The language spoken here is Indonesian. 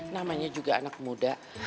namanya juga anak muda